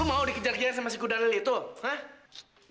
eh lu mau dikejar kejar sama si kuda neli itu hah